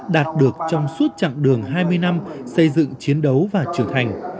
đạt được trong suốt chặng đường hai mươi năm xây dựng chiến đấu và trưởng thành